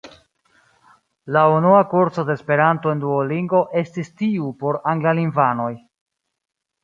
La unua kurso de Esperanto en Duolingo estis tiu por anglalingvanoj.